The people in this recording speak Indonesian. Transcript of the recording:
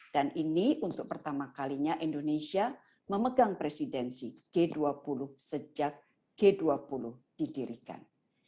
dan ini untuk pertama kalinya indonesia memegang presidensi g dua puluh sejak g dua puluh didirikan